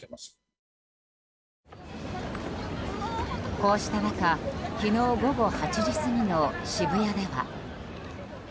こうした中昨日午後８時過ぎの渋谷では。